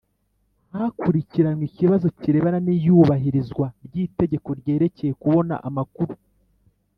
hakurikiranwe ikibazo kirebana n’iyubahirizwa ry’itegeko ryerekeye kubona amakuru